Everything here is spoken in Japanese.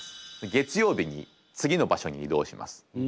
月曜日に次の場所に移動します。